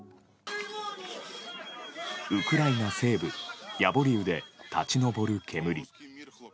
ウクライナ西部ヤボリウで立ち上る煙。